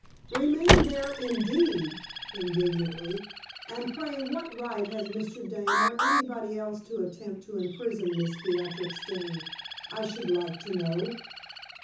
"Remain there, indeed!" indignantly. "And pray what right has Mr. Dane or anybody else to attempt to imprison Miss Beatrix Dane, I should like to know?"